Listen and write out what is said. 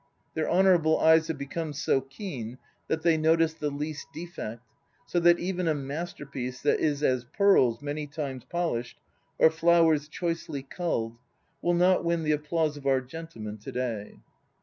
Their honourable eyes have become so keen that they notice the least defect, so that even a masterpiece that is as pearls many times polished or flowers choicely culled will not win the applause of our gentlemen to day.